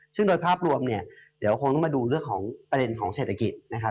ซึ่งโดยภาพรวมเนี่ยเดี๋ยวคงต้องมาดูเรื่องของประเด็นของเศรษฐกิจนะครับ